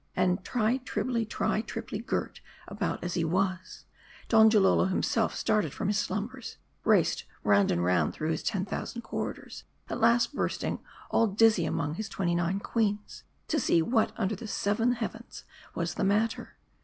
And tri trebly tri triply girt about as he was, Donjalolo himself started from his slumbers, raced round and round through his ten thousand corridors ; at last bursting all dizzy among his twenty nine queens, to see what under the seventh heavens was the matter.